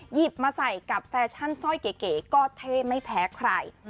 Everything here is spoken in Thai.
หยิบมาใส่กับแฟชั่นสร้อยเก๋ก็เท่ไม่แพ้ใคร